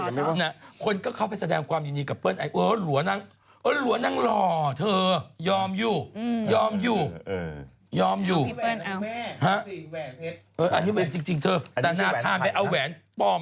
โอ๊ยอัตษรรพิษอย่างนี้ไม่ต้องไปสงสารหรอก